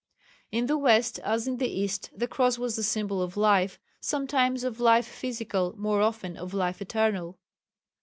In the west, as in the east, the cross was the symbol of life sometimes of life physical, more often of life eternal.